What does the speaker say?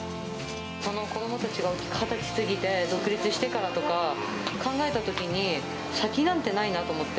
子どもたちが２０歳過ぎて、独立してからとか考えたときに、先なんてないなと思って。